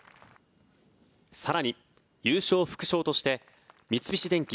更に、優勝副賞として三菱電機、